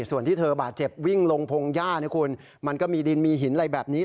ส่วนที่เธอบาดเจ็บวิ่งลงพงหญ้านะคุณมันก็มีดินมีหินอะไรแบบนี้